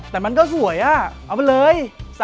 แต่มันก็สวยอ่ะเอาไปเลย๓๐๐